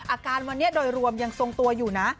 อาการวันนี้โดยรวมยังทรงตัวอยู่นะ